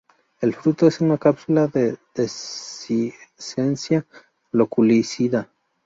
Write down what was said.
El fruto es una cápsula de dehiscencia loculicida.